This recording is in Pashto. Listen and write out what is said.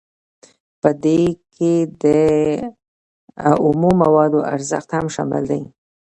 په دې کې د اومو موادو ارزښت هم شامل دی